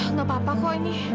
nggak apa apa kok ini